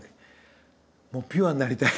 ピュアになりたい。